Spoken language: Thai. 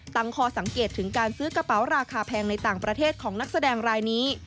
ตั้งคอสังเกตถึงการซื้อกระเป๋าราคาแพงในต่างประเทศของนักแสดงรายนี้